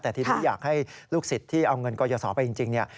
แต่ทีนี้อยากให้ลูกศิษย์ที่เอาเงินกรยศไปจริงเนี่ย